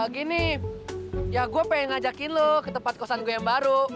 gini ya gue pengen ngajakin lo ke tempat kosan gue yang baru